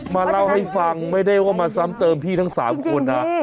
มาเล่าให้ฟังไม่ได้ว่ามาซ้ำเติมพี่ทั้ง๓คนนะ